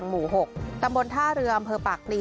ดำบลท่าเรืออ่าเรืออำเภอปากบรี